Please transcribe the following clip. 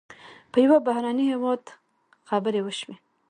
په یو بهرني هېواد خبرې وشوې.